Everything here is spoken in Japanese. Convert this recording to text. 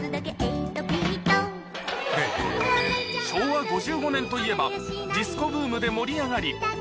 昭和５５年といえばディスコブームで盛り上がり